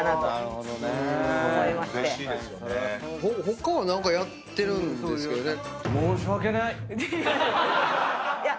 他は何かやってるんですけどね。